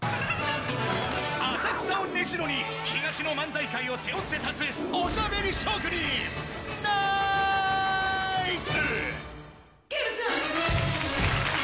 浅草を根城に、東の漫才界を背負って立つ、おしゃべり職人、ナイツ。